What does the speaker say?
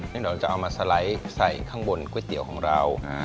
เราจะเอามาสไลด์ใส่ข้างบนก๋วยเตี๋ยวของเรา